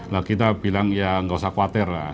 lah kita bilang ya nggak usah khawatir lah